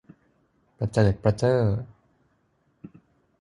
ประเจิดประเจ้อ